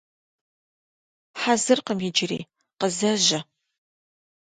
Хьэзыркъым иджыри, къызэжьэ.